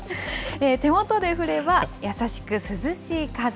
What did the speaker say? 手元で振れば優しく涼しい風。